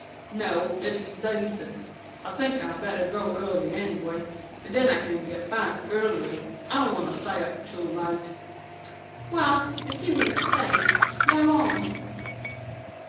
"No, it's decent. I think I had better go early anyway, and then I can get back earlier. I don't want to stay up too late." "Well, if you insist, go on."